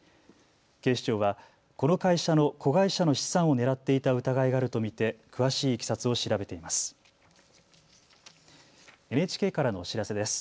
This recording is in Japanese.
警視庁は、この会社の子会社の資産を狙っていた疑いがあると見て詳しいいきさつを調べています。